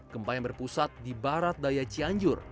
gempa yang berpusat di barat daya cianjur